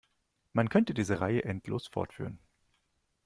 Man könnte diese Reihe endlos fortführen.